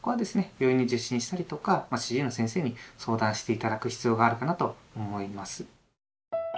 病院に受診したりとか主治医の先生に相談して頂く必要があるかなと思います。